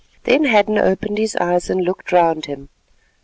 Then Hadden opened his eyes and looked round him.